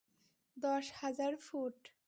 দশ হাজার ফুট!